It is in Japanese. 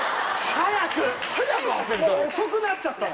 もう遅くなっちゃったの。